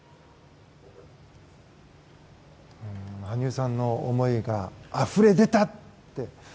羽生さんの思いがあふれ出たって